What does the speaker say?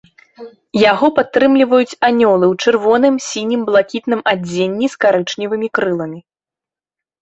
Яго падтрымліваюць анёлы ў чырвоным, сінім, блакітным адзенні з карычневымі крыламі.